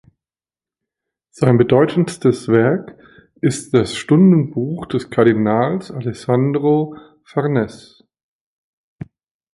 Sein bedeutendstes Werk ist das Stundenbuch des Kardinals Alessandro Farnese.